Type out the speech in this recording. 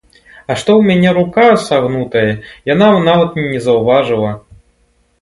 А што ў мяне рука сагнутая, яна нават і не заўважыла.